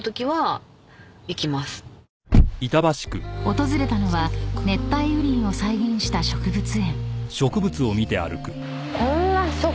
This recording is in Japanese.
［訪れたのは熱帯雨林を再現した植物園］